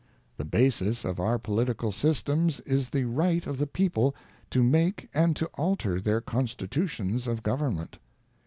ŌĆö The basis of our political systems is the right of the people to make and to alter their Constitutions of Government.